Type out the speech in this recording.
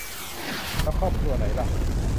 แล้วครอบครัวไหนล่ะ